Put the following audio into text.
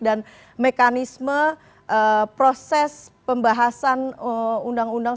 dan mekanisme proses pembahasan undang undang